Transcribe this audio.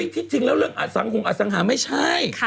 คิดถึงแล้วเรื่องอัศังคุณอัศังหาไม่ใช่